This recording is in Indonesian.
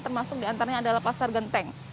termasuk di antaranya adalah pasar genteng